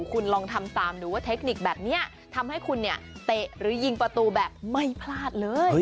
คุณลองทำตามดูว่าเทคนิคแบบนี้ทำให้คุณเนี่ยเตะหรือยิงประตูแบบไม่พลาดเลย